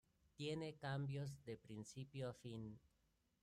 Tiene cambios de principio a fin.